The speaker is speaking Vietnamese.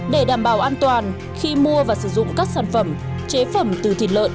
để đảm bảo an toàn khi mua và sử dụng các sản phẩm chế phẩm từ thịt lợn